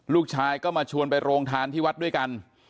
ลูกชายก็มาชวนไปโรงทานที่วัดด้วยกัน